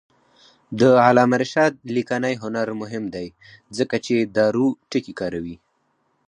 د علامه رشاد لیکنی هنر مهم دی ځکه چې دارو ټکي کاروي.